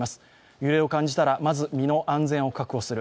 揺れを感じたらまず、身の安全を確保する。